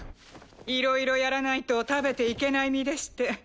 いろいろやらないと食べていけない身でして。